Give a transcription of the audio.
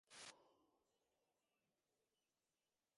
নিচু গলায় বলল, স্যার কি বাসায় নেই?